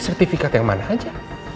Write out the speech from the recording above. sertifikat yang mana aja